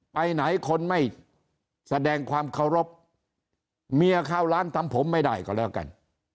ไปไหนคนไม่แสดงความเคารพเมียเข้าร้านทำผมไม่ได้ก็แล้วกัน